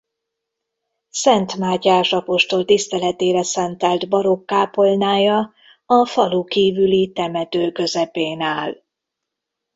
Szent Mátyás apostol tiszteletére szentelt barokk kápolnája a falu kívüli temető közepén áll.